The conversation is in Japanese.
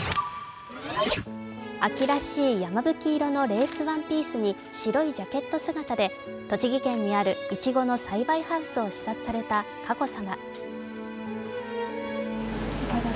秋らしいやまぶき色のレースワンピースに白いジャケット姿で栃木県にあるいちごの栽培ハウスを視察された佳子さま。